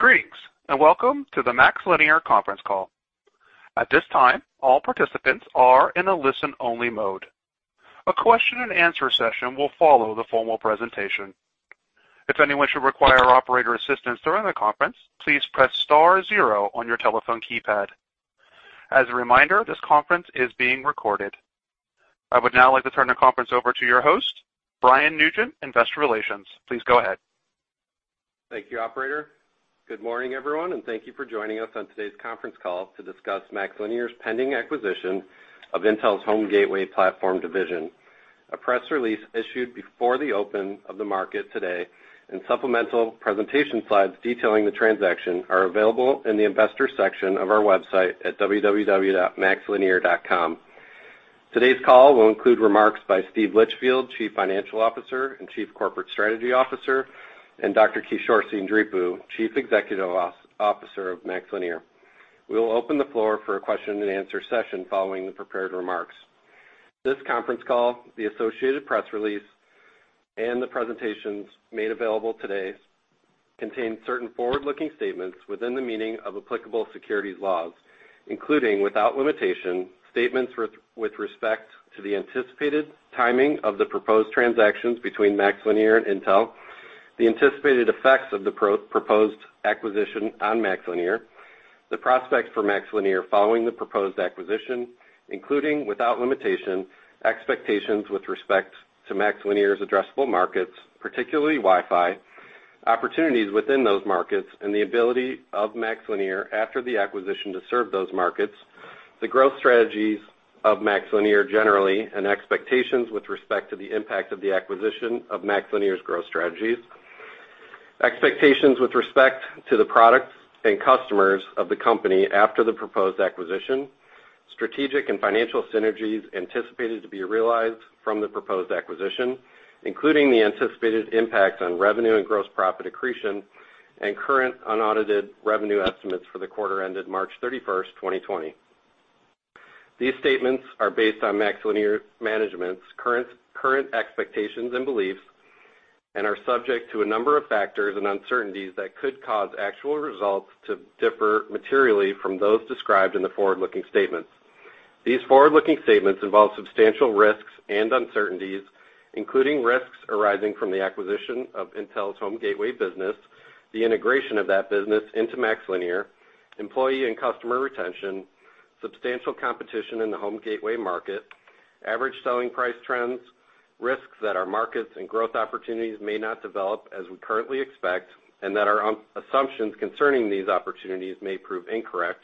Greetings, and welcome to the MaxLinear conference call. At this time, all participants are in a listen-only mode. A question and answer session will follow the formal presentation. If anyone should require operator assistance during the conference, please press star zero on your telephone keypad. As a reminder, this conference is being recorded. I would now like to turn the conference over to your host, Brian Nugent, investor relations. Please go ahead. Thank you, operator. Good morning, everyone, and thank you for joining us on today's conference call to discuss MaxLinear's pending acquisition of Intel's Home Gateway Platform Division. A press release issued before the open of the market today and supplemental presentation slides detailing the transaction are available in the investors section of our website at www.maxlinear.com. Today's call will include remarks by Steve Litchfield, Chief Financial Officer and Chief Corporate Strategy Officer, and Dr. Kishore Seendripu, Chief Executive Officer of MaxLinear. We will open the floor for a question and answer session following the prepared remarks. This conference call, the associated press release, and the presentations made available today contain certain forward-looking statements within the meaning of applicable securities laws, including, without limitation, statements with respect to the anticipated timing of the proposed transactions between MaxLinear and Intel, the anticipated effects of the proposed acquisition on MaxLinear, the prospects for MaxLinear following the proposed acquisition, including, without limitation, expectations with respect to MaxLinear's addressable markets, particularly Wi-Fi, opportunities within those markets, and the ability of MaxLinear after the acquisition to serve those markets. The growth strategies of MaxLinear generally, and expectations with respect to the impact of the acquisition of MaxLinear's growth strategies, expectations with respect to the products and customers of the company after the proposed acquisition, strategic and financial synergies anticipated to be realized from the proposed acquisition, including the anticipated impact on revenue and gross profit accretion, and current unaudited revenue estimates for the quarter ended March 31st, 2020. These statements are based on MaxLinear management's current expectations and beliefs and are subject to a number of factors and uncertainties that could cause actual results to differ materially from those described in the forward-looking statements. These forward-looking statements involve substantial risks and uncertainties, including risks arising from the acquisition of Intel's Home Gateway business, the integration of that business into MaxLinear, employee and customer retention, substantial competition in the home gateway market, average selling price trends, risks that our markets and growth opportunities may not develop as we currently expect, and that our assumptions concerning these opportunities may prove incorrect,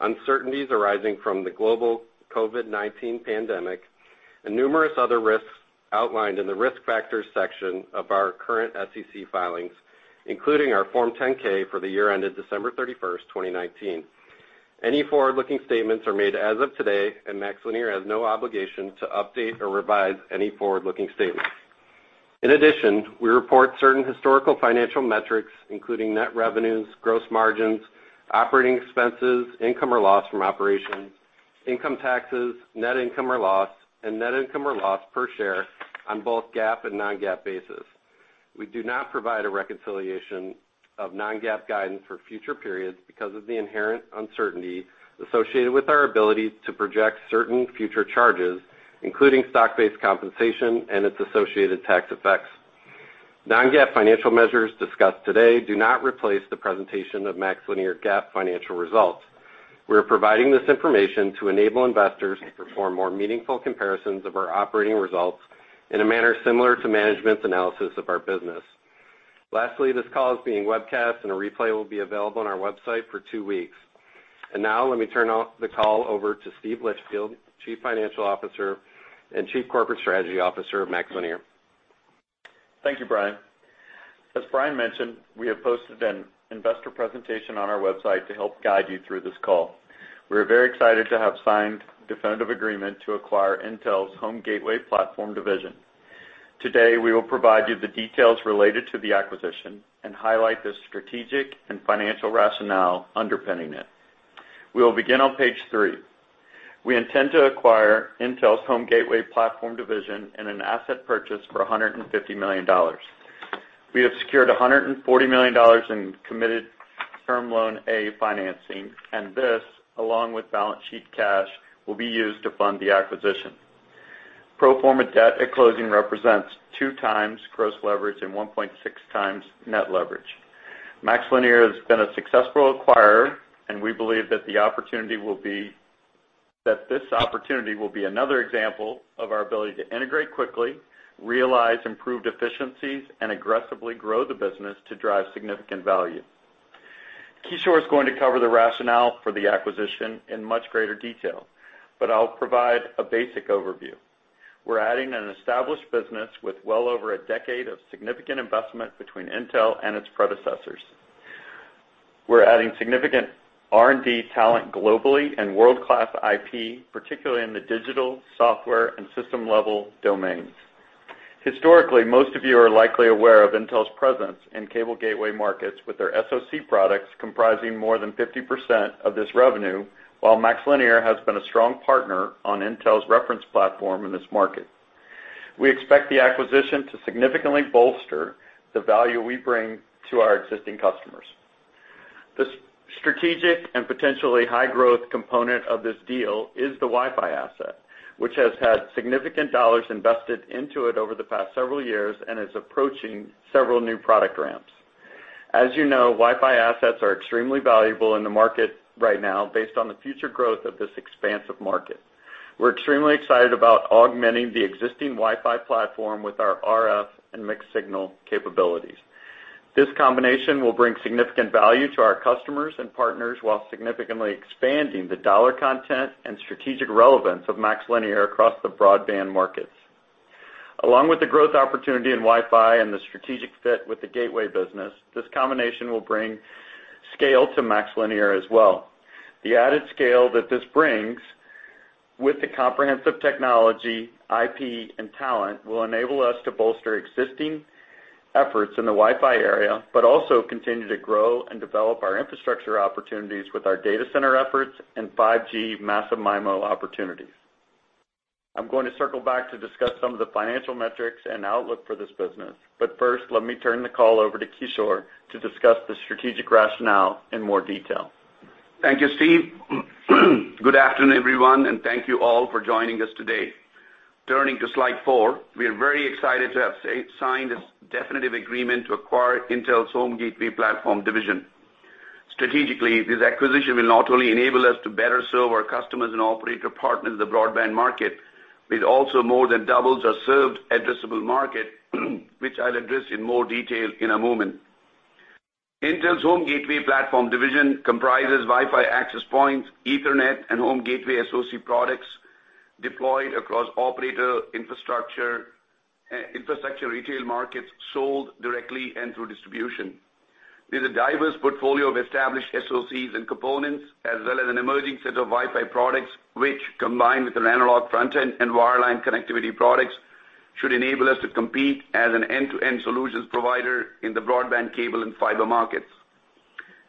uncertainties arising from the global COVID-19 pandemic, and numerous other risks outlined in the Risk Factors section of our current SEC filings, including our Form 10-K for the year ended December 31st, 2019. Any forward-looking statements are made as of today, and MaxLinear has no obligation to update or revise any forward-looking statements. In addition, we report certain historical financial metrics, including net revenues, gross margins, operating expenses, income or loss from operations, income taxes, net income or loss, and net income or loss per share on both GAAP and non-GAAP basis. We do not provide a reconciliation of non-GAAP guidance for future periods because of the inherent uncertainty associated with our ability to project certain future charges, including stock-based compensation and its associated tax effects. Non-GAAP financial measures discussed today do not replace the presentation of MaxLinear GAAP financial results. We are providing this information to enable investors to perform more meaningful comparisons of our operating results in a manner similar to management's analysis of our business. Lastly, this call is being webcast and a replay will be available on our website for two weeks. Now, let me turn the call over to Steve Litchfield, Chief Financial Officer and Chief Corporate Strategy Officer of MaxLinear. Thank you, Brian. As Brian mentioned, we have posted an investor presentation on our website to help guide you through this call. We are very excited to have signed definitive agreement to acquire Intel's Home Gateway Platform Division. Today, we will provide you the details related to the acquisition and highlight the strategic and financial rationale underpinning it. We will begin on page three. We intend to acquire Intel's Home Gateway Platform Division in an asset purchase for $150 million. We have secured $140 million in committed Term Loan A financing, and this, along with balance sheet cash, will be used to fund the acquisition. Pro forma debt at closing represents 2x gross leverage and 1.6x net leverage. MaxLinear has been a successful acquirer, and we believe that this opportunity will be another example of our ability to integrate quickly, realize improved efficiencies, and aggressively grow the business to drive significant value. Kishore is going to cover the rationale for the acquisition in much greater detail, but I'll provide a basic overview. We're adding an established business with well over a decade of significant investment between Intel and its predecessors. We're adding significant R&D talent globally and world-class IP, particularly in the digital, software, and system-level domains. Historically, most of you are likely aware of Intel's presence in cable gateway markets with their SoC products comprising more than 50% of this revenue, while MaxLinear has been a strong partner on Intel's reference platform in this market. We expect the acquisition to significantly bolster the value we bring to our existing customers. The strategic and potentially high-growth component of this deal is the Wi-Fi asset, which has had significant dollars invested into it over the past several years and is approaching several new product ramps. As you know, Wi-Fi assets are extremely valuable in the market right now based on the future growth of this expansive market. We're extremely excited about augmenting the existing Wi-Fi platform with our RF and mixed-signal capabilities. This combination will bring significant value to our customers and partners while significantly expanding the $ content and strategic relevance of MaxLinear across the broadband markets. Along with the growth opportunity in Wi-Fi and the strategic fit with the gateway business, this combination will bring scale to MaxLinear as well. The added scale that this brings with the comprehensive technology, IP, and talent will enable us to bolster existing efforts in the Wi-Fi area, but also continue to grow and develop our infrastructure opportunities with our data center efforts and 5G massive MIMO opportunities. I'm going to circle back to discuss some of the financial metrics and outlook for this business. First, let me turn the call over to Kishore to discuss the strategic rationale in more detail. Thank you, Steve. Good afternoon, everyone, and thank you all for joining us today. Turning to slide four, we are very excited to have signed this definitive agreement to acquire Intel's Home Gateway Platform division. Strategically, this acquisition will not only enable us to better serve our customers and operator partners in the broadband market, but it also more than doubles our served addressable market, which I'll address in more detail in a moment. Intel's Home Gateway Platform division comprises Wi-Fi access points, Ethernet, and Home Gateway SoC products deployed across operator infrastructure retail markets sold directly and through distribution. With a diverse portfolio of established SoCs and components as well as an emerging set of Wi-Fi products, which, combined with an analog front-end and wireline connectivity products, should enable us to compete as an end-to-end solutions provider in the broadband cable and fiber markets.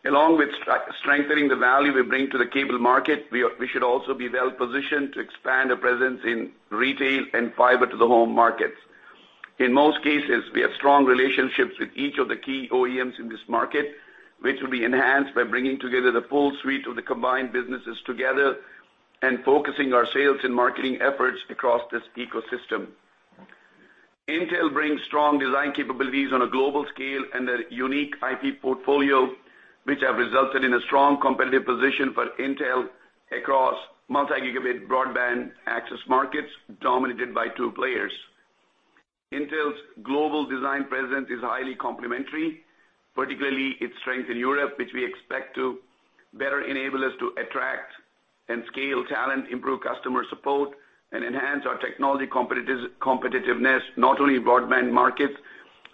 Along with strengthening the value we bring to the cable market, we should also be well-positioned to expand our presence in retail and fiber to the home markets. In most cases, we have strong relationships with each of the key OEMs in this market, which will be enhanced by bringing together the full suite of the combined businesses together and focusing our sales and marketing efforts across this ecosystem. Intel brings strong design capabilities on a global scale and a unique IP portfolio, which have resulted in a strong competitive position for Intel across multi-gigabit broadband access markets dominated by two players. Intel's global design presence is highly complementary, particularly its strength in Europe, which we expect to better enable us to attract and scale talent, improve customer support, and enhance our technology competitiveness, not only in broadband markets,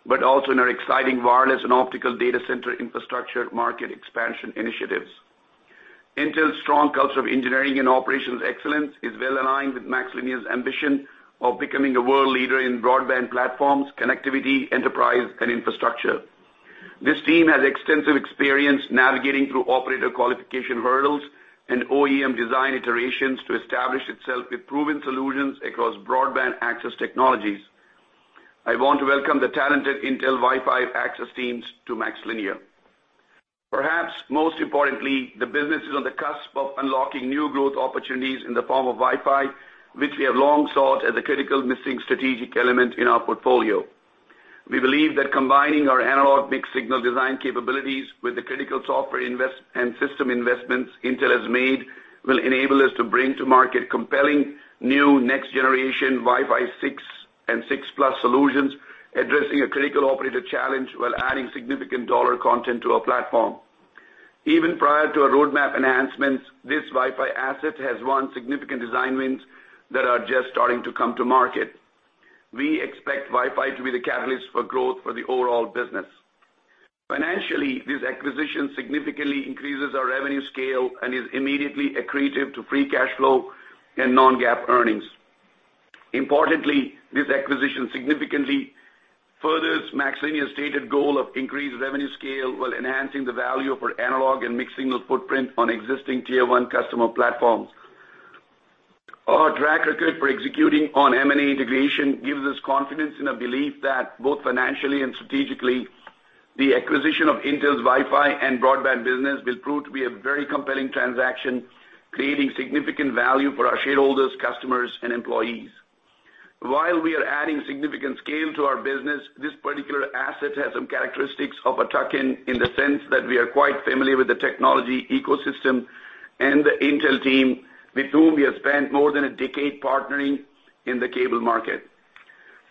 but also in our exciting wireless and optical data center infrastructure market expansion initiatives. Intel's strong culture of engineering and operations excellence is well-aligned with MaxLinear's ambition of becoming a world leader in broadband platforms, connectivity, enterprise, and infrastructure. This team has extensive experience navigating through operator qualification hurdles and OEM design iterations to establish itself with proven solutions across broadband access technologies. I want to welcome the talented Intel Wi-Fi access teams to MaxLinear. Perhaps most importantly, the business is on the cusp of unlocking new growth opportunities in the form of Wi-Fi, which we have long sought as a critical missing strategic element in our portfolio. We believe that combining our analog mixed-signal design capabilities with the critical software and system investments Intel has made will enable us to bring to market compelling new next-generation Wi-Fi 6 and 6 plus solutions, addressing a critical operator challenge while adding significant dollar content to our platform. Even prior to our roadmap enhancements, this Wi-Fi asset has won significant design wins that are just starting to come to market. We expect Wi-Fi to be the catalyst for growth for the overall business. Financially, this acquisition significantly increases our revenue scale and is immediately accretive to free cash flow and non-GAAP earnings. Importantly, this acquisition significantly furthers MaxLinear's stated goal of increased revenue scale while enhancing the value of our analog and mixed-signal footprint on existing tier 1 customer platforms. Our track record for executing on M&A integration gives us confidence in a belief that both financially and strategically, the acquisition of Intel's Wi-Fi and broadband business will prove to be a very compelling transaction, creating significant value for our shareholders, customers, and employees. While we are adding significant scale to our business, this particular asset has some characteristics of a tuck-in in the sense that we are quite familiar with the technology ecosystem and the Intel team, with whom we have spent more than a decade partnering in the cable market.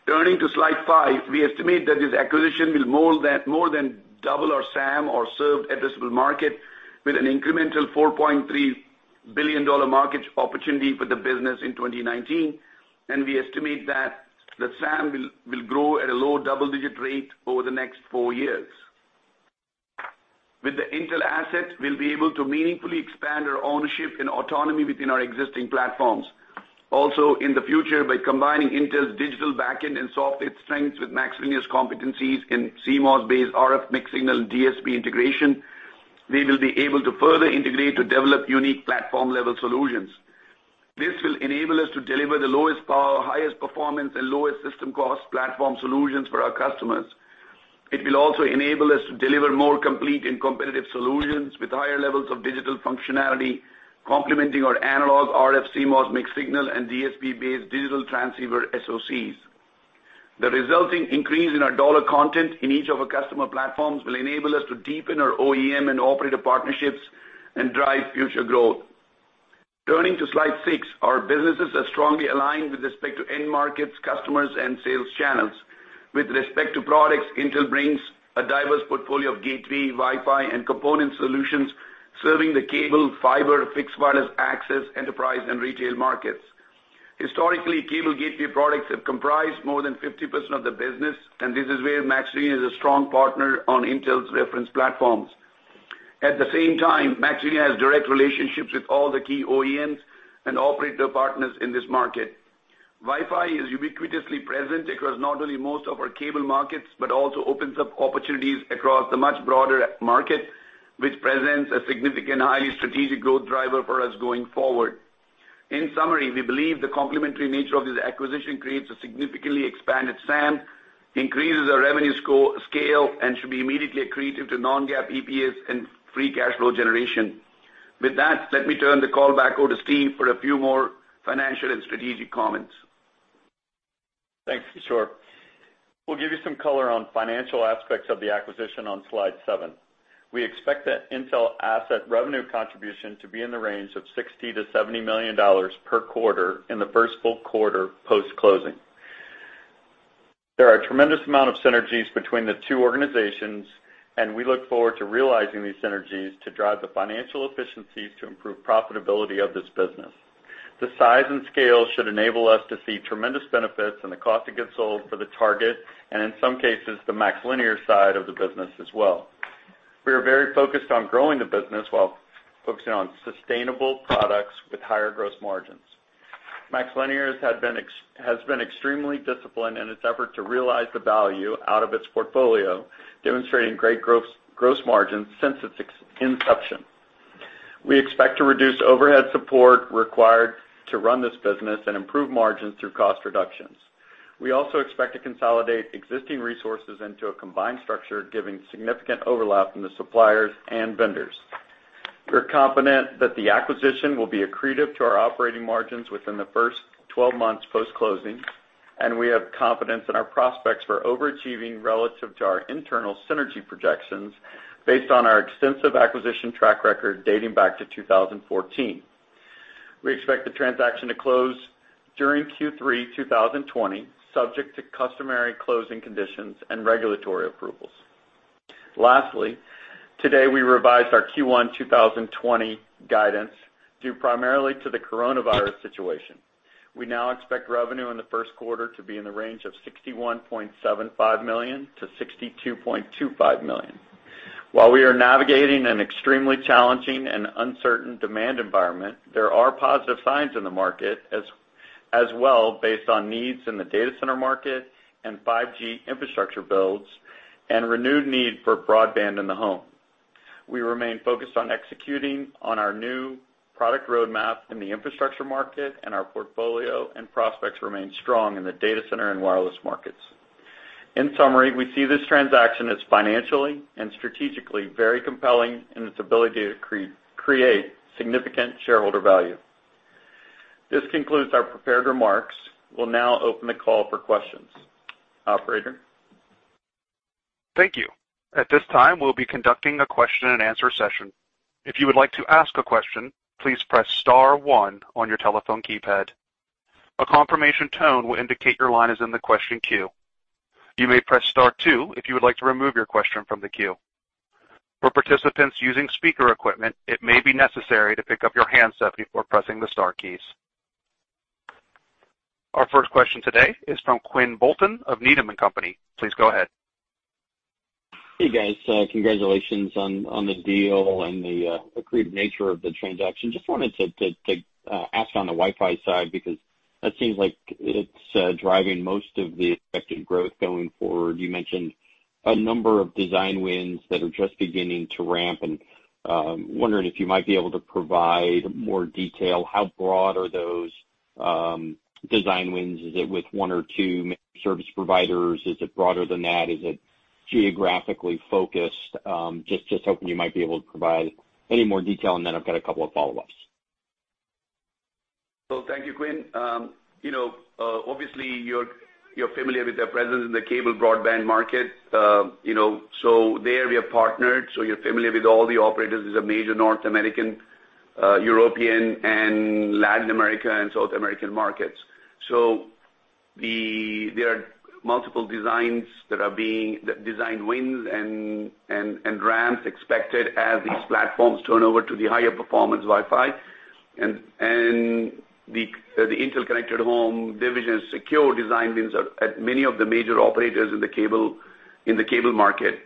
Turning to slide five, we estimate that this acquisition will more than double our SAM or served addressable market with an incremental $4.3 billion market opportunity for the business in 2019, and we estimate that the SAM will grow at a low double-digit rate over the next four years. With the Intel asset, we'll be able to meaningfully expand our ownership and autonomy within our existing platforms. In the future, by combining Intel's digital backend and software strengths with MaxLinear's competencies in CMOS-based RF mixed-signal DSP integration. We will be able to further integrate to develop unique platform-level solutions. This will enable us to deliver the lowest power, highest performance, and lowest system cost platform solutions for our customers. It will also enable us to deliver more complete and competitive solutions with higher levels of digital functionality, complementing our analog RF CMOS mixed-signal and DSP-based digital transceiver SoCs. The resulting increase in our $ content in each of our customer platforms will enable us to deepen our OEM and operator partnerships and drive future growth. Turning to slide six, our businesses are strongly aligned with respect to end markets, customers, and sales channels. With respect to products, Intel brings a diverse portfolio of gateway, Wi-Fi, and component solutions serving the cable, fiber, fixed wireless access, enterprise, and retail markets. Historically, cable gateway products have comprised more than 50% of the business, and this is where MaxLinear is a strong partner on Intel's reference platforms. At the same time, MaxLinear has direct relationships with all the key OEMs and operator partners in this market. Wi-Fi is ubiquitously present across not only most of our cable markets, but also opens up opportunities across the much broader market, which presents a significant, highly strategic growth driver for us going forward. In summary, we believe the complementary nature of this acquisition creates a significantly expanded SAM, increases our revenue scale, and should be immediately accretive to non-GAAP EPS and free cash flow generation. With that, let me turn the call back over to Steve for a few more financial and strategic comments. Thanks, Kishore. We'll give you some color on financial aspects of the acquisition on slide seven. We expect that Intel asset revenue contribution to be in the range of $60 million-$70 million per quarter in the first full quarter post-closing. There are a tremendous amount of synergies between the two organizations. We look forward to realizing these synergies to drive the financial efficiencies to improve profitability of this business. The size and scale should enable us to see tremendous benefits in the cost of goods sold for the target, and in some cases, the MaxLinear side of the business as well. We are very focused on growing the business while focusing on sustainable products with higher gross margins. MaxLinear has been extremely disciplined in its effort to realize the value out of its portfolio, demonstrating great gross margins since its inception. We expect to reduce overhead support required to run this business and improve margins through cost reductions. We also expect to consolidate existing resources into a combined structure, given significant overlap in the suppliers and vendors. We're confident that the acquisition will be accretive to our operating margins within the first 12 months post-closing, and we have confidence in our prospects for overachieving relative to our internal synergy projections based on our extensive acquisition track record dating back to 2014. We expect the transaction to close during Q3 2020, subject to customary closing conditions and regulatory approvals. Lastly, today, we revised our Q1 2020 guidance due primarily to the coronavirus situation. We now expect revenue in the first quarter to be in the range of $61.75 million-$62.25 million. While we are navigating an extremely challenging and uncertain demand environment, there are positive signs in the market as well based on needs in the data center market and 5G infrastructure builds and renewed need for broadband in the home. We remain focused on executing on our new product roadmap in the infrastructure market, and our portfolio and prospects remain strong in the data center and wireless markets. In summary, we see this transaction as financially and strategically very compelling in its ability to create significant shareholder value. This concludes our prepared remarks. We'll now open the call for questions. Operator? Thank you. At this time, we'll be conducting a question and answer session. If you would like to ask a question, please press star one on your telephone keypad. A confirmation tone will indicate your line is in the question queue. You may press star two if you would like to remove your question from the queue. For participants using speaker equipment, it may be necessary to pick up your handset before pressing the star keys. Our first question today is from Quinn Bolton of Needham & Company. Please go ahead. Hey, guys. Congratulations on the deal and the accretive nature of the transaction. Just wanted to ask on the Wi-Fi side, because that seems like it's driving most of the expected growth going forward. You mentioned a number of design wins that are just beginning to ramp, and wondering if you might be able to provide more detail. How broad are those design wins? Is it with one or two service providers? Is it broader than that? Is it geographically focused? Just hoping you might be able to provide any more detail, and then I've got a couple of follow-ups. Thank you, Quinn. Obviously, you're familiar with our presence in the cable broadband market. There, we are partnered, so you're familiar with all the operators as a major North American, European, and Latin America and South American markets. There are multiple designs that are being design wins and ramps expected as these platforms turn over to the higher performance Wi-Fi. The Intel Connected Home division's secure design wins at many of the major operators in the cable market.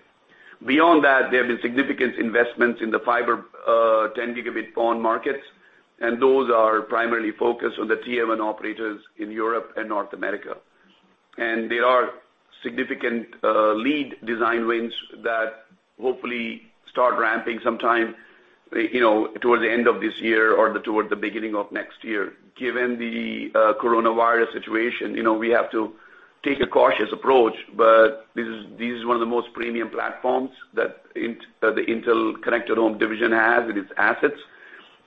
Beyond that, there have been significant investments in the fiber 10G-PON markets, and those are primarily focused on the Tier 1 operators in Europe and North America. There are significant lead design wins that hopefully start ramping sometime towards the end of this year or toward the beginning of next year. Given the coronavirus situation, we have to take a cautious approach, but this is one of the most premium platforms that the Intel Connected Home division has in its assets.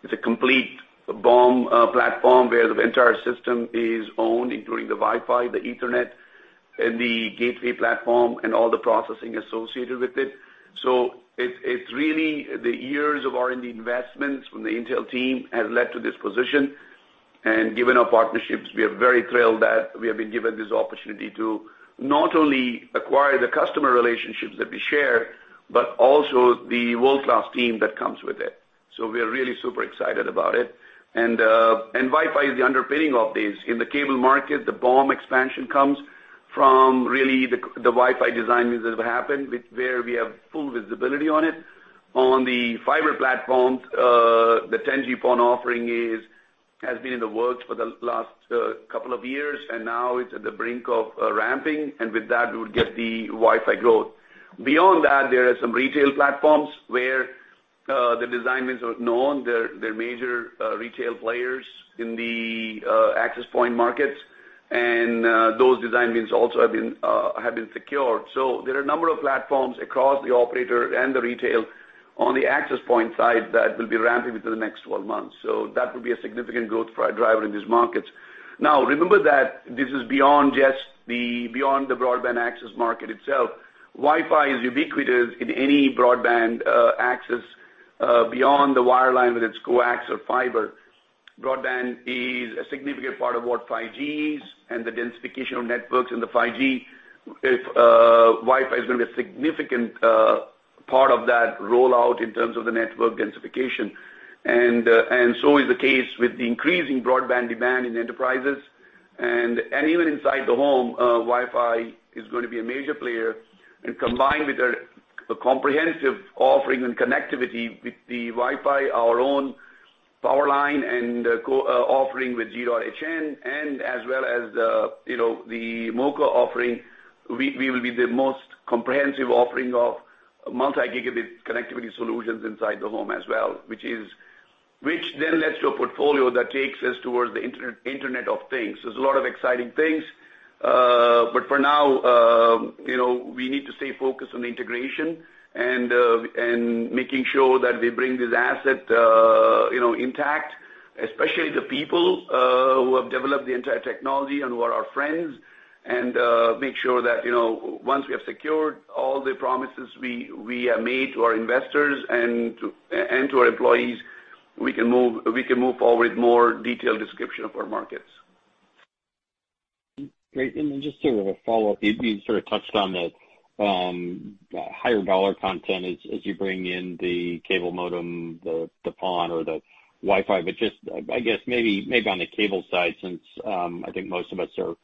It's a complete BOM platform where the entire system is owned, including the Wi-Fi, the Ethernet, and the gateway platform, and all the processing associated with it. It's really the years of R&D investments from the Intel team has led to this position. Given our partnerships, we are very thrilled that we have been given this opportunity to not only acquire the customer relationships that we share, but also the world-class team that comes with it. We are really super excited about it. Wi-Fi is the underpinning of this. In the cable market, the BOM expansion comes from really the Wi-Fi design wins that have happened, where we have full visibility on it. On the fiber platforms, the 10G PON offering has been in the works for the last couple of years. Now it's at the brink of ramping. With that, we would get the Wi-Fi growth. Beyond that, there are some retail platforms where the design wins are known. They're major retail players in the access point markets. Those design wins also have been secured. There are a number of platforms across the operator and the retail on the access point side that will be ramping within the next 12 months. That would be a significant growth driver in these markets. Now, remember that this is beyond the broadband access market itself. Wi-Fi is ubiquitous in any broadband access beyond the wireline, whether it's coax or fiber. Broadband is a significant part of what 5G is and the densification of networks in the 5G. Wi-Fi is going to be a significant part of that rollout in terms of the network densification. Is the case with the increasing broadband demand in enterprises. Even inside the home, Wi-Fi is going to be a major player. Combined with a comprehensive offering and connectivity with the Wi-Fi, our own power line, and offering with G.hn, and as well as the MoCA offering, we will be the most comprehensive offering of multi-gigabit connectivity solutions inside the home as well, which then leads to a portfolio that takes us towards the Internet of Things. There's a lot of exciting things. For now, we need to stay focused on the integration and making sure that we bring this asset intact, especially the people who have developed the entire technology and who are our friends, and make sure that once we have secured all the promises we have made to our investors and to our employees, we can move forward with more detailed description of our markets. Great. Just sort of a follow-up, you sort of touched on the higher dollar content as you bring in the cable modem, the PON or the Wi-Fi. Just, I guess maybe on the cable side, since I think most of us are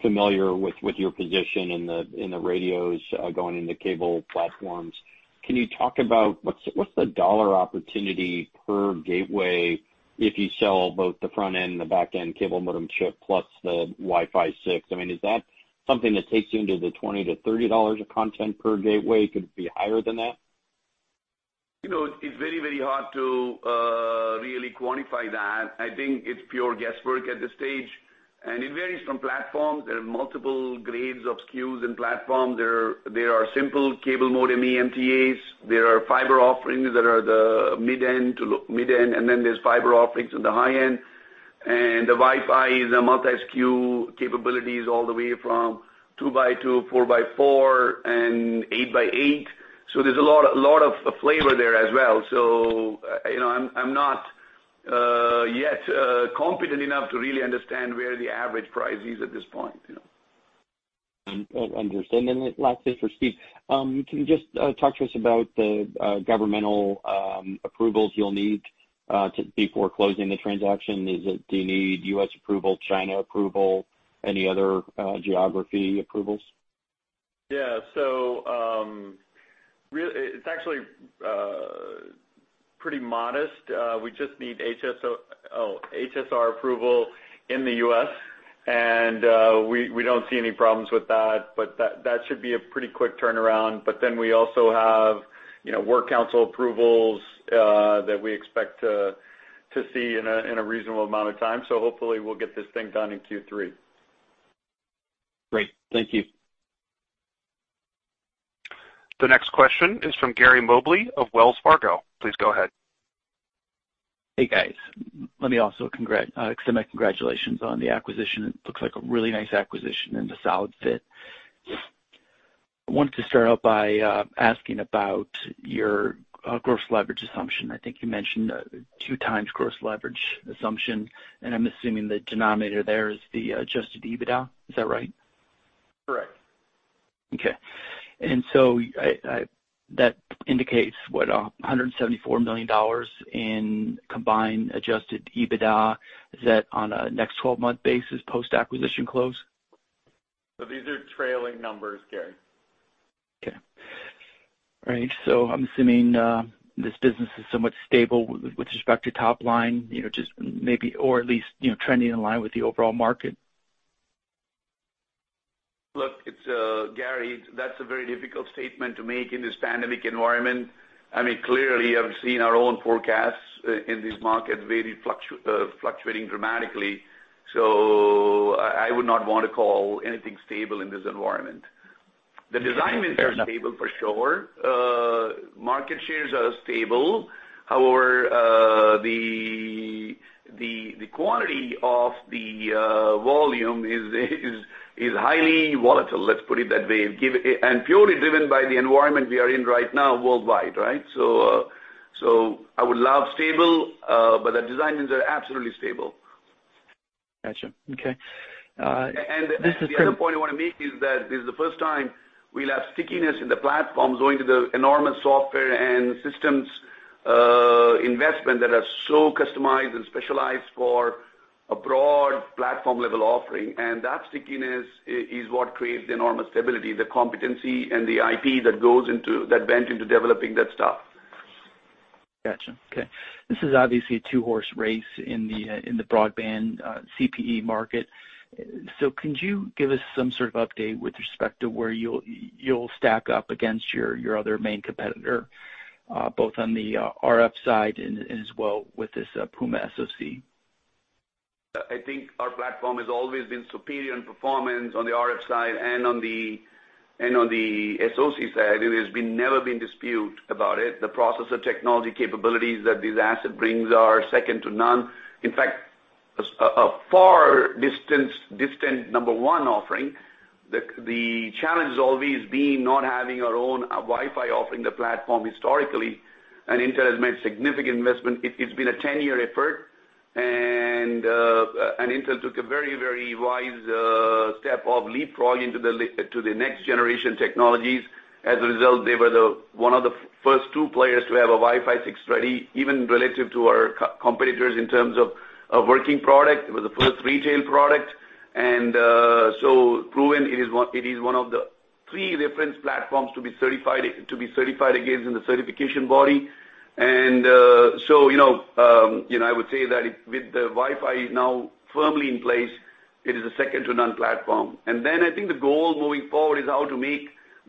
familiar with your position in the radios going into cable platforms, can you talk about what's the dollar opportunity per gateway if you sell both the front-end and the back-end cable modem chip plus the Wi-Fi 6? I mean, is that something that takes you into the $20-$30 of content per gateway? Could it be higher than that? It's very hard to really quantify that. I think it's pure guesswork at this stage, and it varies from platform. There are multiple grades of SKUs and platform. There are simple cable modem eMTAs. There are fiber offerings that are the mid-end, and then there's fiber offerings on the high-end. The Wi-Fi is a multi-SKU capabilities all the way from two by two, four by four, and eight by eight. There's a lot of flavor there as well. I'm not yet competent enough to really understand where the average price is at this point. I understand. Last thing for Steve. Can you just talk to us about the governmental approvals you'll need before closing the transaction? Do you need U.S. approval, China approval, any other geography approvals? Yeah. It's actually pretty modest. We just need HSR approval in the U.S., and we don't see any problems with that, but that should be a pretty quick turnaround. We also have work council approvals that we expect to see in a reasonable amount of time. Hopefully we'll get this thing done in Q3. Great. Thank you. The next question is from Gary Mobley of Wells Fargo. Please go ahead. Hey, guys. Let me also extend my congratulations on the acquisition. It looks like a really nice acquisition and a solid fit. I wanted to start out by asking about your gross leverage assumption. I think you mentioned two times gross leverage assumption, and I'm assuming the denominator there is the adjusted EBITDA. Is that right? Correct. Okay. That indicates, what, $174 million in combined adjusted EBITDA. Is that on a next 12-month basis post-acquisition close? These are trailing numbers, Gary. Okay. Right. I'm assuming this business is somewhat stable with respect to top line, or at least trending in line with the overall market. Look, Gary, that's a very difficult statement to make in this pandemic environment. Clearly, I've seen our own forecasts in this market very fluctuating dramatically. I would not want to call anything stable in this environment. Fair enough. The design wins are stable for sure. Market shares are stable. The quantity of the volume is highly volatile, let's put it that way, and purely driven by the environment we are in right now worldwide, right? I would love stable, but the design wins are absolutely stable. Got you. Okay. The other point I want to make is that this is the first time we'll have stickiness in the platform owing to the enormous software and systems investment that are so customized and specialized for a broad platform level offering. That stickiness is what creates the enormous stability, the competency, and the IP that went into developing that stuff. Got you. Okay. This is obviously a two-horse race in the broadband CPE market. Could you give us some sort of update with respect to where you'll stack up against your other main competitor, both on the RF side and as well with this Puma SoC? I think our platform has always been superior in performance on the RF side and on the SoC side. It has never been dispute about it. The processor technology capabilities that this asset brings are second to none. In fact, a far distant number one offering. The challenge has always been not having our own Wi-Fi offering the platform historically, and Intel has made significant investment. It's been a 10-year effort, and Intel took a very, very wise step of leapfrogging to the next generation technologies. As a result, they were one of the first two players to have a Wi-Fi 6 ready, even relative to our competitors in terms of working product. It was the first retail product. Proven, it is one of the three reference platforms to be certified against in the certification body. I would say that with the Wi-Fi now firmly in place, it is a second to none platform. I think the goal moving forward is how to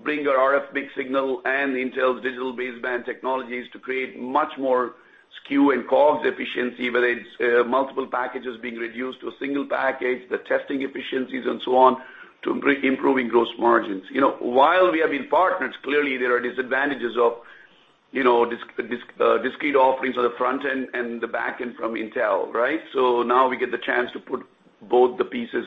bring our RF mixed signal and Intel's digital baseband technologies to create much more SKU and COGS efficiency, whether it's multiple packages being reduced to a single package, the testing efficiencies and so on to improving gross margins. While we have been partners, clearly there are disadvantages of discrete offerings on the front end and the back end from Intel, right? Now we get the chance to put both the pieces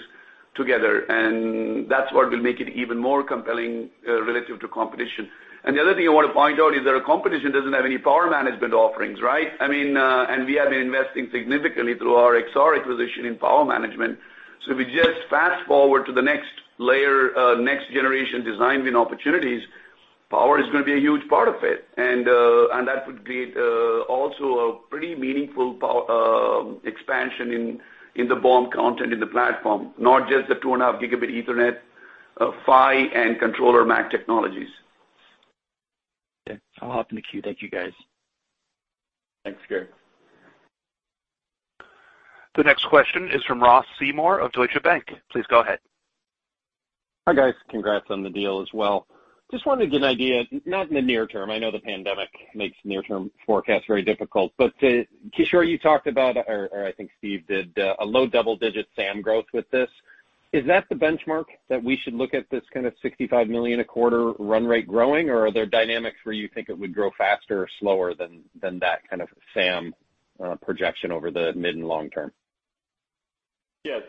together, and that's what will make it even more compelling relative to competition. The other thing I want to point out is that our competition doesn't have any power management offerings, right? We have been investing significantly through our Exar acquisition in power management. If we just fast-forward to the next layer, next generation design win opportunities, power is going to be a huge part of it. That would create also a pretty meaningful expansion in the BOM content in the platform, not just the 2.5 gigabit Ethernet, PHY, and controller MAC technologies. Okay. I'll hop in the queue. Thank you, guys. Thanks, Gary. The next question is from Ross Seymore of Deutsche Bank. Please go ahead. Hi, guys. Congrats on the deal as well. Just wanted to get an idea, not in the near term, I know the pandemic makes near term forecasts very difficult. Kishore, you talked about, or I think Steve did, a low double-digit SAM growth with this. Is that the benchmark that we should look at this kind of $65 million a quarter run rate growing, or are there dynamics where you think it would grow faster or slower than that kind of SAM projection over the mid and long term? Yes.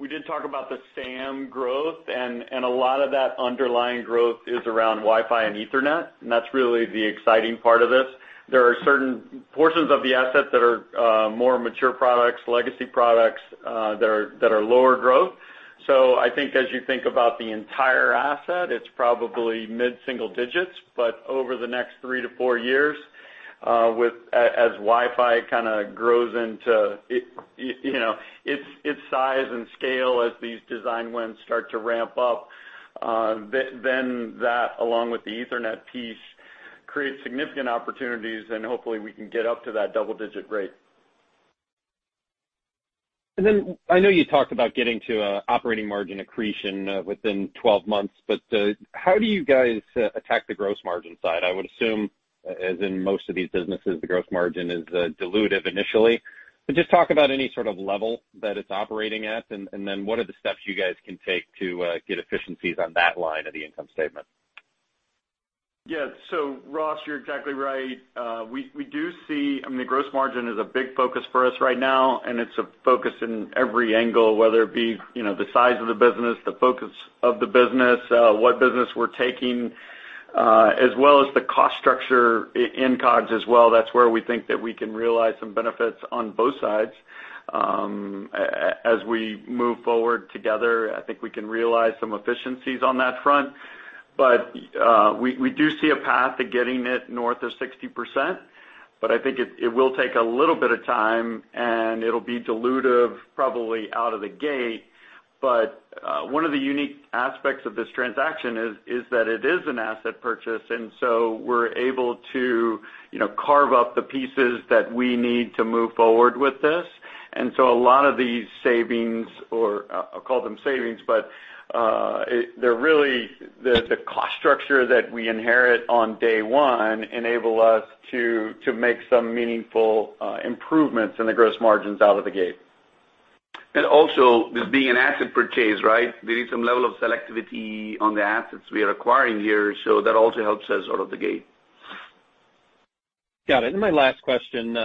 We did talk about the SAM growth, and a lot of that underlying growth is around Wi-Fi and Ethernet, and that's really the exciting part of this. There are certain portions of the asset that are more mature products, legacy products that are lower growth. I think as you think about the entire asset, it's probably mid-single digits, but over the next three to four years, as Wi-Fi kind of grows into its size and scale as these design wins start to ramp up, then that, along with the Ethernet piece, creates significant opportunities, and hopefully we can get up to that double-digit rate. I know you talked about getting to operating margin accretion within 12 months, but how do you guys attack the gross margin side? I would assume, as in most of these businesses, the gross margin is dilutive initially. Just talk about any sort of level that it's operating at, and then what are the steps you guys can take to get efficiencies on that line of the income statement? Yeah. Ross, you're exactly right. The gross margin is a big focus for us right now, and it's a focus in every angle, whether it be the size of the business, the focus of the business, what business we're taking, as well as the cost structure in COGS as well. That's where we think that we can realize some benefits on both sides. As we move forward together, I think we can realize some efficiencies on that front. We do see a path to getting it north of 60%. I think it will take a little bit of time, and it'll be dilutive probably out of the gate. One of the unique aspects of this transaction is that it is an asset purchase, and so we're able to carve up the pieces that we need to move forward with this. A lot of these savings or, I'll call them savings, but the cost structure that we inherit on day one enable us to make some meaningful improvements in the gross margins out of the gate. Also, this being an asset purchase, there is some level of selectivity on the assets we are acquiring here. That also helps us out of the gate. Got it. My last question.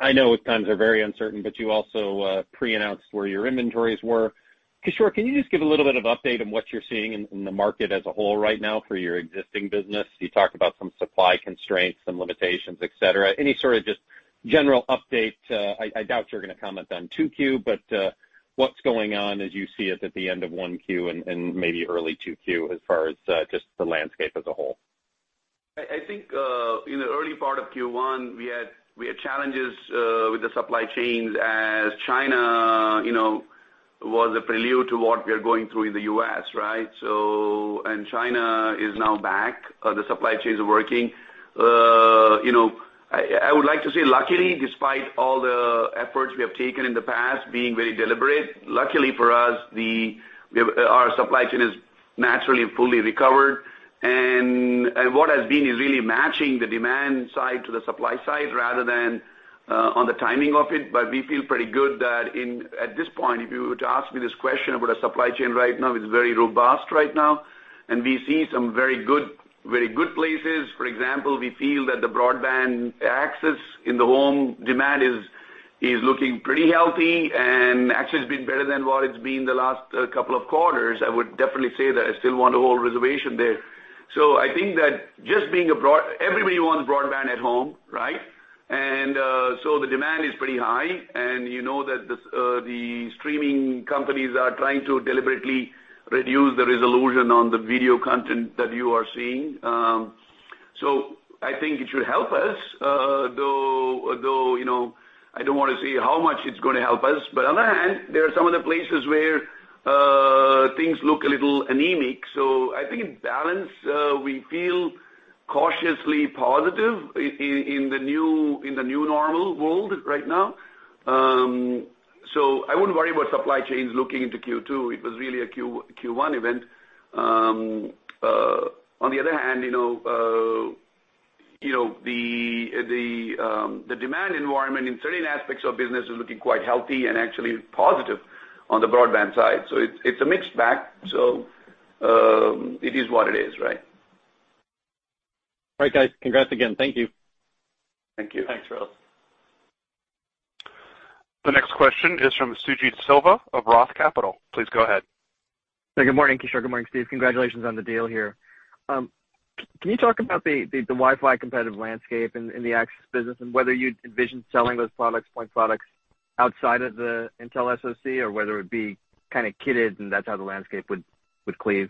I know times are very uncertain, you also pre-announced where your inventories were. Kishore, can you just give a little bit of update on what you're seeing in the market as a whole right now for your existing business? You talked about some supply constraints, some limitations, et cetera. Any sort of just general update? I doubt you're going to comment on 2Q, but what's going on as you see it at the end of 1Q and maybe early 2Q as far as just the landscape as a whole? I think, in the early part of Q1, we had challenges with the supply chains as China was a prelude to what we are going through in the U.S., right? China is now back. The supply chains are working. I would like to say luckily, despite all the efforts we have taken in the past being very deliberate, luckily for us, our supply chain is naturally fully recovered. What has been is really matching the demand side to the supply side rather than on the timing of it. We feel pretty good that at this point, if you were to ask me this question about our supply chain right now, it's very robust right now, and we see some very good places. For example, we feel that the broadband access in the home demand is looking pretty healthy and actually has been better than what it's been the last couple of quarters. I would definitely say that I still want to hold reservation there. I think that everybody wants broadband at home, right? The demand is pretty high, and you know that the streaming companies are trying to deliberately reduce the resolution on the video content that you are seeing. I think it should help us, though I don't want to say how much it's going to help us. On the other hand, there are some other places where things look a little anemic. I think in balance, we feel cautiously positive in the new normal world right now. I wouldn't worry about supply chains looking into Q2. It was really a Q1 event. On the other hand, the demand environment in certain aspects of business is looking quite healthy and actually positive on the broadband side. It's a mixed bag. It is what it is, right? All right, guys. Congrats again. Thank you. Thank you. Thanks, Ross. The next question is from Suji De Silva of ROTH Capital. Please go ahead. Good morning, Kishore. Good morning, Steve. Congratulations on the deal here. Can you talk about the Wi-Fi competitive landscape in the access business and whether you'd envision selling those point products outside of the Intel SoC, or whether it'd be kind of kitted and that's how the landscape would cleave?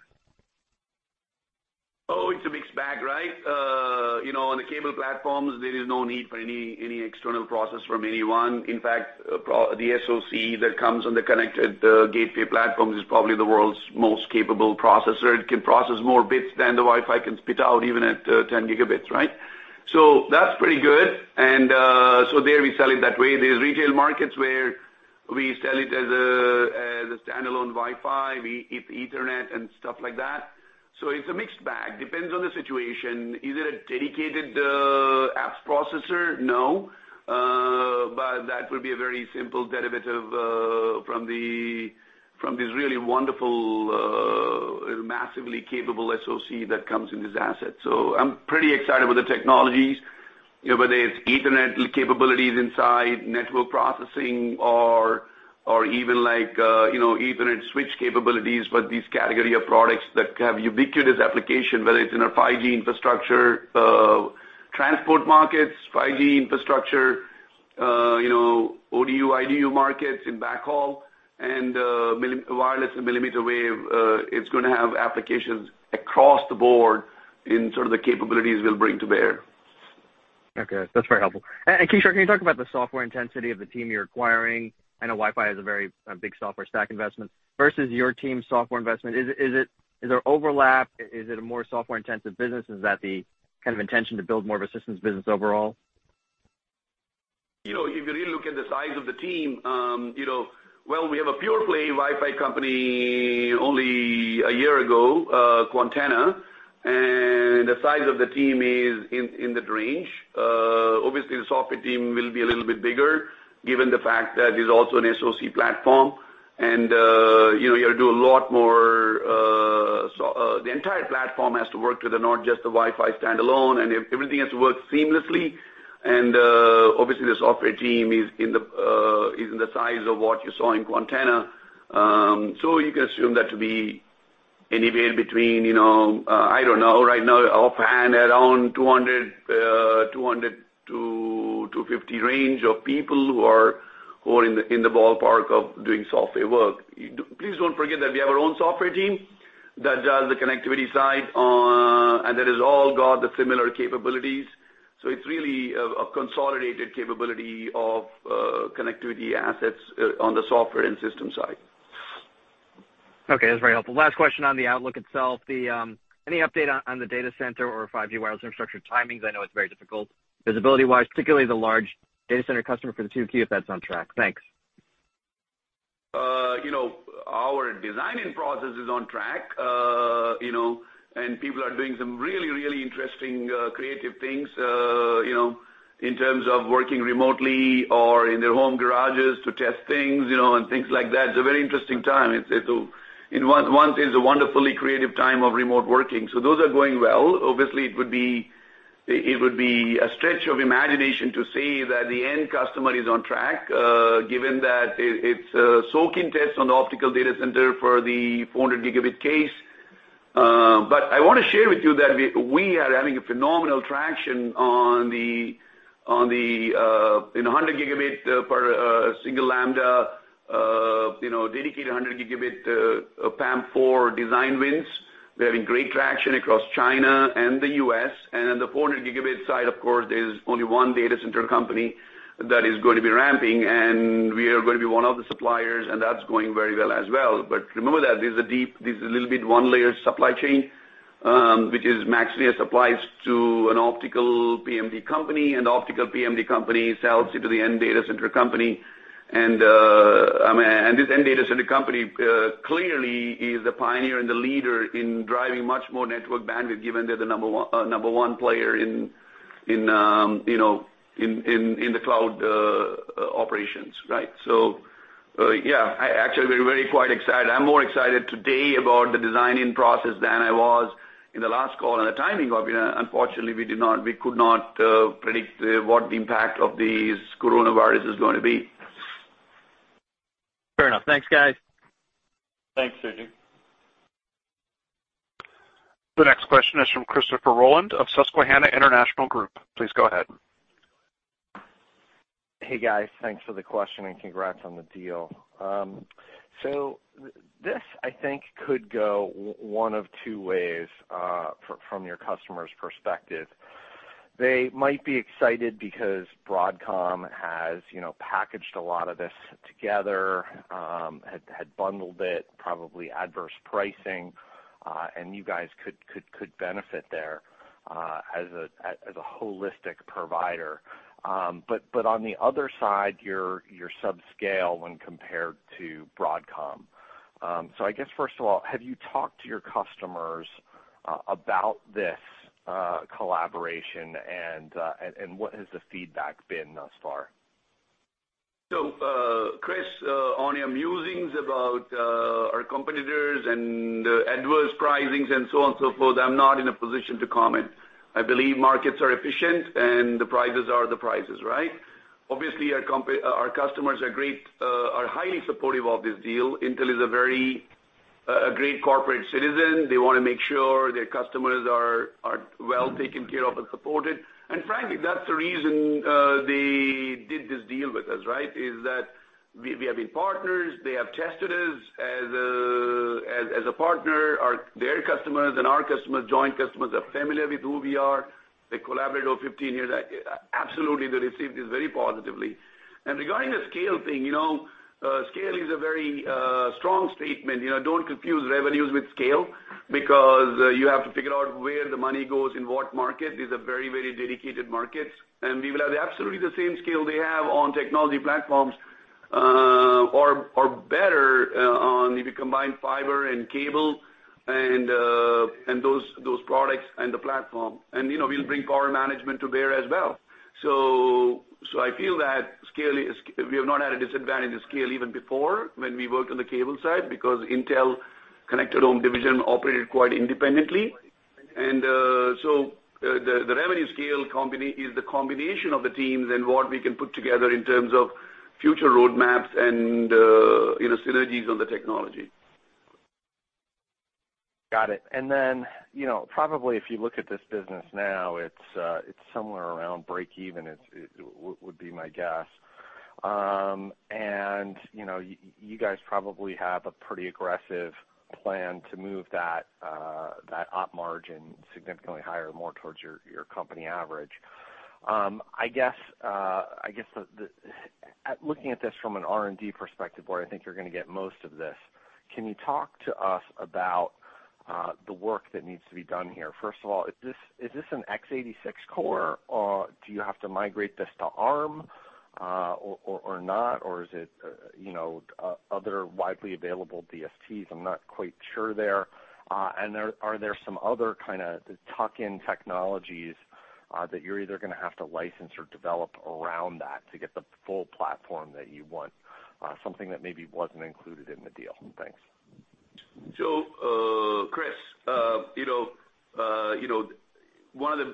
It's a mixed bag, right? On the cable platforms, there is no need for any external process from anyone. In fact, the SoC that comes on the connected gateway platform is probably the world's most capable processor. It can process more bits than the Wi-Fi can spit out, even at 10 gigabits, right? That's pretty good. There we sell it that way. There's retail markets where we sell it as a standalone Wi-Fi with Ethernet and stuff like that. It's a mixed bag, depends on the situation. Is it a dedicated apps processor? No, that would be a very simple derivative from this really wonderful, massively capable SoC that comes in this asset. I'm pretty excited with the technologies, whether it's Ethernet capabilities inside network processing or even like Ethernet switch capabilities, but these category of products that have ubiquitous application, whether it's in our 5G infrastructure, transport markets, 5G infrastructure, ODU/IDU markets in backhaul, and wireless and millimeter wave. It's going to have applications across the board in sort of the capabilities we'll bring to bear. Okay. That's very helpful. Kishore, can you talk about the software intensity of the team you're acquiring? I know Wi-Fi has a very big software stack investment versus your team's software investment. Is there overlap? Is it a more software-intensive business? Is that the kind of intention to build more of a systems business overall? If you really look at the size of the team, well, we have a pure play Wi-Fi company only a year ago, Quantenna, and the size of the team is in that range. The software team will be a little bit bigger given the fact that it is also an SoC platform. The entire platform has to work to not just the Wi-Fi standalone, and everything has to work seamlessly. Obviously, the software team is in the size of what you saw in Quantenna. You can assume that to be anywhere between, I don't know, right now offhand, around 200 to 250 range of people who are in the ballpark of doing software work. Please don't forget that we have our own software team that does the connectivity side, and that has all got the similar capabilities. It's really a consolidated capability of connectivity assets on the software and system side. Okay, that's very helpful. Last question on the outlook itself. Any update on the data center or 5G wireless infrastructure timings? I know it's very difficult visibility-wise, particularly the large data center customer for the 2Q, if that's on track. Thanks. Our designing process is on track. People are doing some really interesting, creative things in terms of working remotely or in their home garages to test things, and things like that. It's a very interesting time. In one sense, a wonderfully creative time of remote working. Those are going well. Obviously, it would be a stretch of imagination to say that the end customer is on track, given that it's a soaking test on the optical data center for the 400 gigabit case. I want to share with you that we are having a phenomenal traction on the 100 gigabit per single lambda, dedicated 100 gigabit PAM4 design wins. We're having great traction across China and the U.S. On the 400 gigabit side, of course, there's only one data center company that is going to be ramping, and we are going to be one of the suppliers, and that's going very well as well. Remember that this is a little bit one layer supply chain, which is MaxLinear supplies to an optical PMD company, and the optical PMD company sells it to the end data center company. This end data center company clearly is the pioneer and the leader in driving much more network bandwidth, given they're the number 1 player in the cloud operations, right? Yeah, actually, we're very quite excited. I'm more excited today about the designing process than I was in the last call and the timing of it. Unfortunately, we could not predict what the impact of this coronavirus is going to be. Fair enough. Thanks, guys. Thanks, Suji. The next question is from Christopher Rolland of Susquehanna International Group. Please go ahead. Hey, guys, thanks for the question and congrats on the deal. This, I think, could go one of two ways from your customer's perspective. They might be excited because Broadcom has packaged a lot of this together, had bundled it, probably adverse pricing, and you guys could benefit there as a holistic provider. On the other side, you're subscale when compared to Broadcom. I guess, first of all, have you talked to your customers about this collaboration, and what has the feedback been thus far? Chris, on your musings about our competitors and adverse pricings and so on and so forth, I'm not in a position to comment. I believe markets are efficient and the prices are the prices, right? Obviously, our customers are highly supportive of this deal. Intel is a great corporate citizen. They want to make sure their customers are well taken care of and supported. Frankly, that's the reason they did this deal with us, right? Is that we have been partners, they have tested us as a partner. Their customers and our customers, joint customers, are familiar with who we are. They collaborated over 15 years. Absolutely, they received this very positively. Regarding the scale thing, scale is a very strong statement. Don't confuse revenues with scale because you have to figure out where the money goes in what market. These are very dedicated markets. We will have absolutely the same scale they have on technology platforms, or better if you combine fiber and cable and those products and the platform. We'll bring power management to bear as well. I feel that we have not had a disadvantage of scale even before when we worked on the cable side, because Intel Connected Home division operated quite independently. The revenue scale is the combination of the teams and what we can put together in terms of future roadmaps and synergies on the technology. Got it. Probably if you look at this business now, it's somewhere around breakeven, would be my guess. You guys probably have a pretty aggressive plan to move that op margin significantly higher, more towards your company average. I guess, looking at this from an R&D perspective, where I think you're going to get most of this, can you talk to us about the work that needs to be done here? First of all, is this an x86 core, or do you have to migrate this to Arm or not, or is it other widely available DSPs? I'm not quite sure there. Are there some other kind of tuck-in technologies that you're either going to have to license or develop around that to get the full platform that you want, something that maybe wasn't included in the deal? Thanks. Chris, one of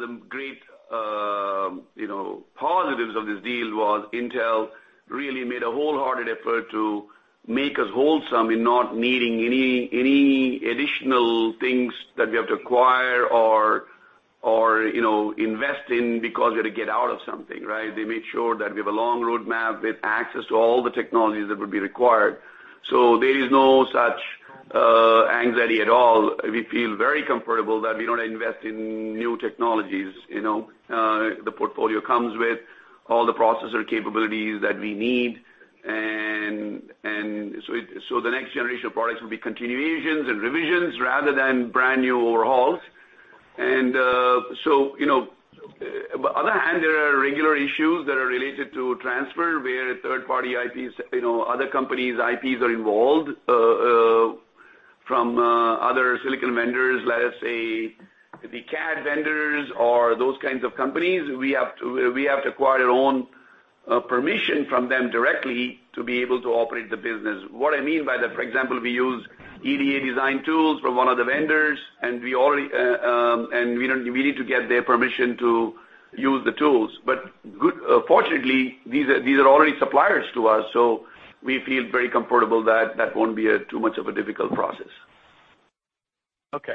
the great positives of this deal was Intel really made a wholehearted effort to make us wholesome in not needing any additional things that we have to acquire or invest in because you had to get out of something, right? They made sure that we have a long roadmap with access to all the technologies that would be required. There is no such anxiety at all. We feel very comfortable that we don't invest in new technologies. The portfolio comes with all the processor capabilities that we need. The next generation of products will be continuations and revisions rather than brand-new overhauls. On the other hand, there are regular issues that are related to transfer, where third-party IPs, other companies' IPs are involved from other silicon vendors, let us say, the CAD vendors or those kinds of companies, we have to acquire our own permission from them directly to be able to operate the business. What I mean by that, for example, we use EDA design tools from one of the vendors, and we need to get their permission to use the tools. Fortunately, these are already suppliers to us, so we feel very comfortable that that won't be too much of a difficult process. Okay.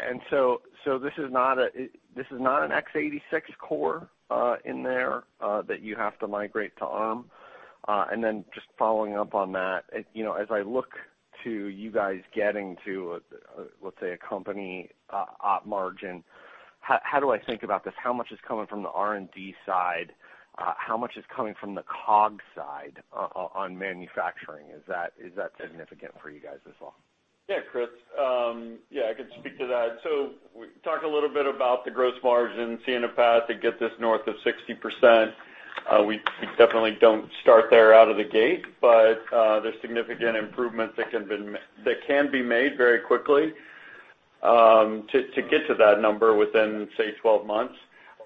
This is not an x86 core in there that you have to migrate to Arm. Just following up on that, as I look to you guys getting to, let's say, a company op margin, how do I think about this? How much is coming from the R&D side? How much is coming from the COGS side on manufacturing? Is that significant for you guys as well? Chris, yeah, I can speak to that. We talked a little bit about the gross margin, seeing a path to get this north of 60%. We definitely don't start there out of the gate, but there's significant improvements that can be made very quickly to get to that number within, say, 12 months.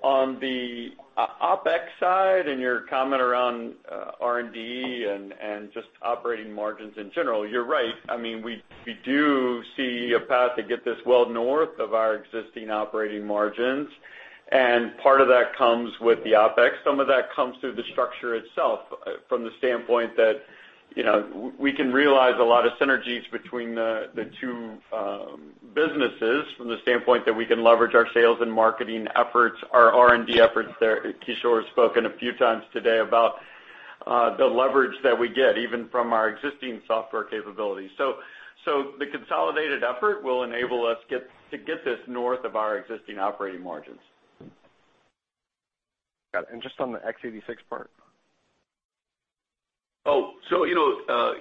On the OpEx side and your comment around R&D and just operating margins in general, you're right. We do see a path to get this well north of our existing operating margins, and part of that comes with the OpEx. Some of that comes through the structure itself from the standpoint that we can realize a lot of synergies between the two businesses from the standpoint that we can leverage our sales and marketing efforts, our R&D efforts there. Kishore has spoken a few times today about the leverage that we get even from our existing software capabilities. The consolidated effort will enable us to get this north of our existing operating margins. Got it. Just on the x86 part.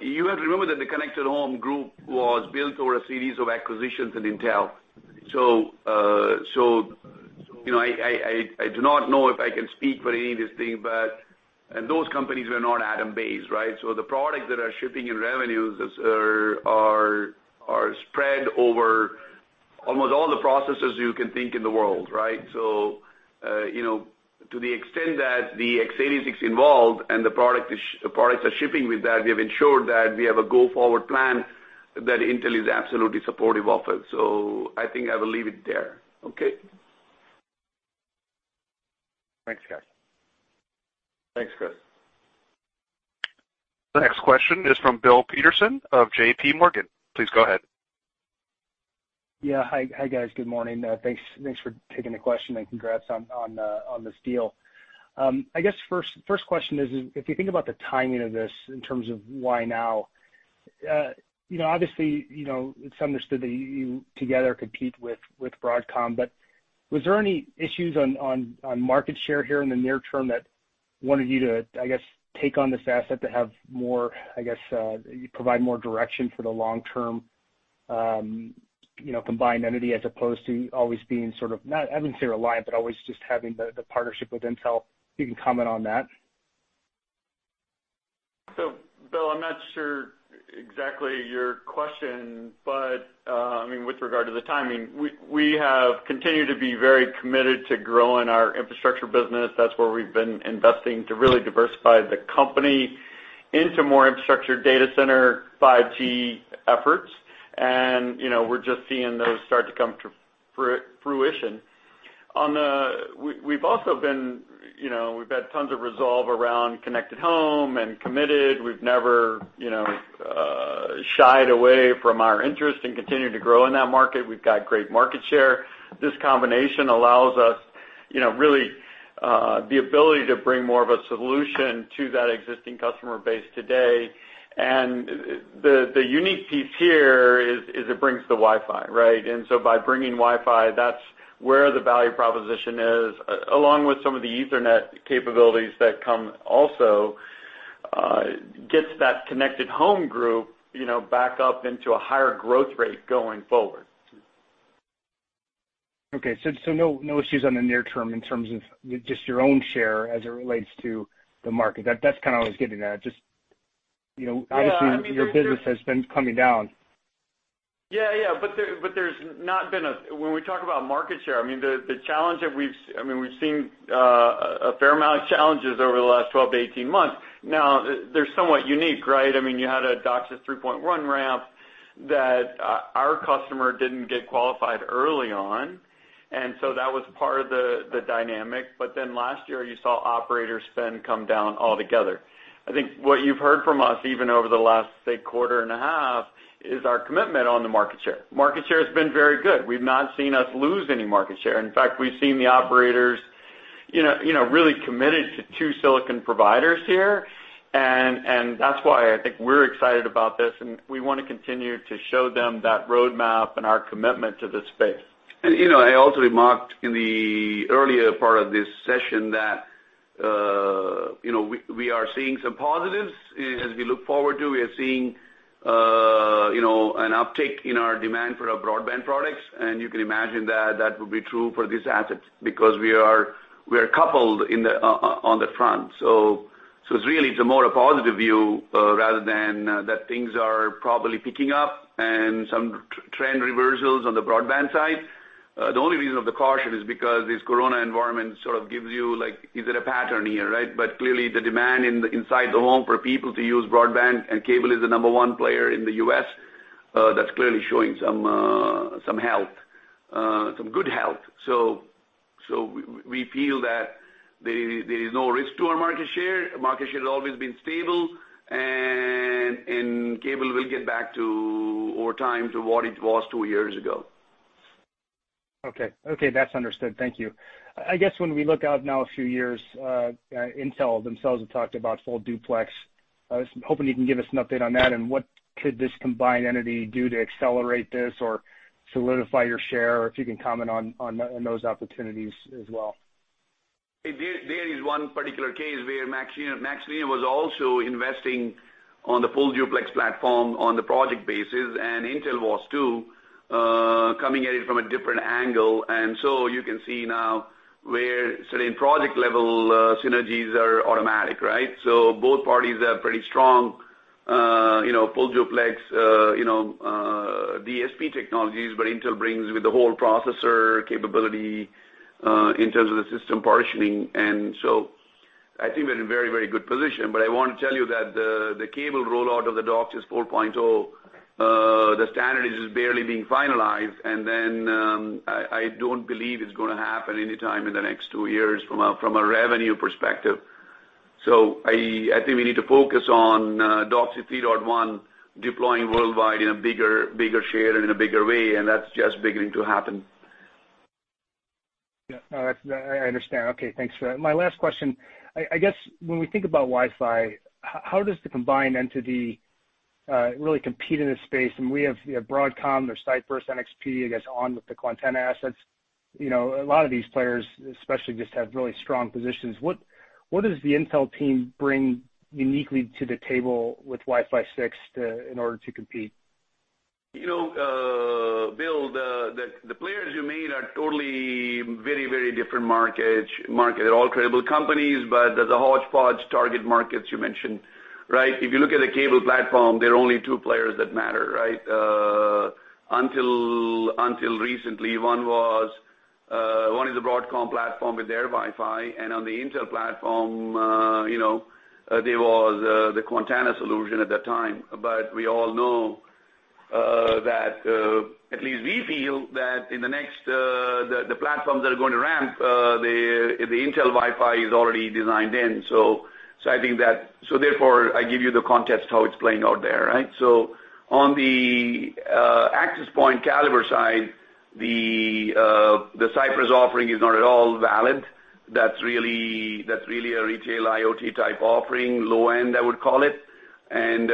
You have to remember that the Connected Home Division was built over a series of acquisitions at Intel. I do not know if I can speak for any of this thing, but those companies were not Atom-based, right? The products that are shipping in revenues are spread over almost all the processors you can think in the world, right? To the extent that the x86 involved and the products are shipping with that, we have ensured that we have a go-forward plan that Intel is absolutely supportive of it. I think I will leave it there. Okay. Thanks, guys. Thanks, Chris. The next question is from Bill Peterson of JPMorgan. Please go ahead. Hi, guys. Good morning. Thanks for taking the question and congrats on this deal. I guess first question is, if you think about the timing of this in terms of why now, obviously, it's understood that you together compete with Broadcom. Was there any issues on market share here in the near term that wanted you to, I guess, take on this asset to have more, I guess, provide more direction for the long-term combined entity as opposed to always being sort of, I wouldn't say reliant, always just having the partnership with Intel? If you can comment on that. Bill, I'm not sure exactly your question, but with regard to the timing, we have continued to be very committed to growing our infrastructure business. That's where we've been investing to really diversify the company into more infrastructure data center 5G efforts. We're just seeing those start to come to fruition. We've had tons of resolve around Connected Home and committed. We've never shied away from our interest in continuing to grow in that market. We've got great market share. This combination allows us really the ability to bring more of a solution to that existing customer base today. The unique piece here is it brings the Wi-Fi, right? By bringing Wi-Fi, that's where the value proposition is, along with some of the Ethernet capabilities that come also gets that Connected Home group back up into a higher growth rate going forward. Okay, no issues on the near term in terms of just your own share as it relates to the market. That's kind of what I was getting at. Yeah, I mean. your business has been coming down. Yeah. When we talk about market share, the challenge that we've seen a fair amount of challenges over the last 12-18 months. They're somewhat unique, right? You had a DOCSIS 3.1 ramp that our customer didn't get qualified early on. That was part of the dynamic. Last year, you saw operator spend come down altogether. I think what you've heard from us, even over the last, say, quarter and a half, is our commitment on the market share. Market share has been very good. We've not seen us lose any market share. In fact, we've seen the operators really committed to two silicon providers here, and that's why I think we're excited about this, and we want to continue to show them that roadmap and our commitment to the space. I also remarked in the earlier part of this session that we are seeing some positives. As we look forward to, we are seeing an uptick in our demand for our broadband products, and you can imagine that that would be true for these assets because we are coupled on the front. It's really, it's more a positive view rather than that things are probably picking up and some trend reversals on the broadband side. The only reason of the caution is because this Corona environment sort of gives you, like, is it a pattern here, right? Clearly, the demand inside the home for people to use broadband, and cable is the number one player in the U.S., that's clearly showing some health, some good health. We feel that there is no risk to our market share. Market share has always been stable, and cable will get back to, over time, to what it was two years ago. Okay. That's understood. Thank you. I guess when we look out now a few years, Intel themselves have talked about full duplex. I was hoping you can give us an update on that and what could this combined entity do to accelerate this or solidify your share, if you can comment on those opportunities as well. There is one particular case where MaxLinear was also investing on the full duplex platform on the project basis, and Intel was too, coming at it from a different angle. You can see now where certain project level synergies are automatic, right? Both parties are pretty strong, full duplex DSP technologies, but Intel brings with the whole processor capability in terms of the system partitioning. I think we're in a very good position, but I want to tell you that the cable rollout of the DOCSIS 4.0, the standard is just barely being finalized, and then I don't believe it's going to happen anytime in the next two years from a revenue perspective. I think we need to focus on DOCSIS 3.1 deploying worldwide in a bigger share and in a bigger way, and that's just beginning to happen. Yeah. No, I understand. Okay, thanks for that. My last question, I guess when we think about Wi-Fi, how does the combined entity really compete in this space? We have Broadcom, there's Cypress, NXP, I guess, on with the Quantenna assets. A lot of these players especially just have really strong positions. What does the Intel team bring uniquely to the table with Wi-Fi 6 in order to compete? Bill, the players you made are totally very different markets. They're all credible companies, there's a hodgepodge target markets you mentioned, right? If you look at the cable platform, there are only two players that matter, right? Until recently, one is the Broadcom platform with their Wi-Fi, on the Intel platform there was the Quantenna solution at that time. We all know that, at least we feel that in the next the platforms that are going to ramp, the Intel Wi-Fi is already designed in. Therefore, I give you the context how it's playing out there, right? On the access point caliber side, the Cypress offering is not at all valid. That's really a retail IoT type offering, low end, I would call it, and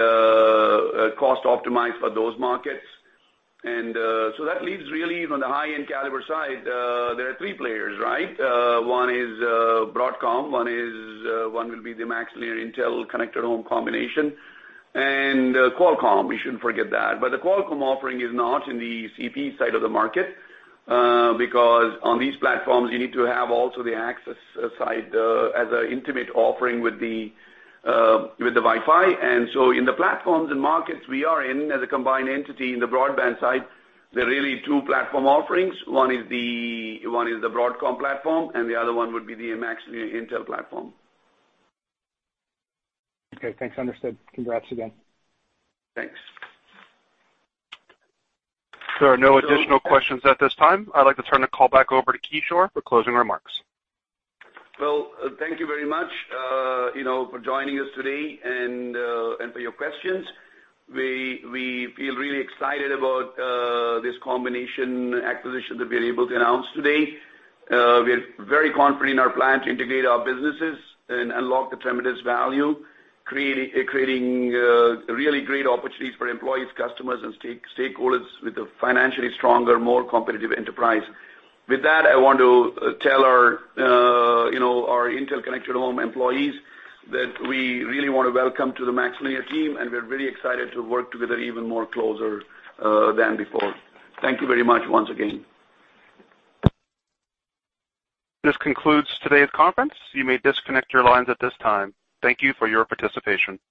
cost optimized for those markets. So that leaves really on the high-end caliber side, there are three players, right? One is Broadcom. One will be the MaxLinear Intel Connected Home combination. Qualcomm, we shouldn't forget that. The Qualcomm offering is not in the CP side of the market, because on these platforms, you need to have also the access side as an intimate offering with the Wi-Fi. In the platforms and markets we are in as a combined entity in the broadband side, there are really two platform offerings. One is the Broadcom platform. The other one would be the MaxLinear Intel platform. Okay, thanks. Understood. Congrats again. Thanks. There are no additional questions at this time. I'd like to turn the call back over to Kishore for closing remarks. Thank you very much for joining us today and for your questions. We feel really excited about this combination acquisition that we're able to announce today. We're very confident in our plan to integrate our businesses and unlock the tremendous value, creating really great opportunities for employees, customers, and stakeholders with a financially stronger, more competitive enterprise. With that, I want to tell our Intel Connected Home employees that we really want to welcome to the MaxLinear team, and we're very excited to work together even more closer than before. Thank you very much once again. This concludes today's conference. You may disconnect your lines at this time. Thank you for your participation.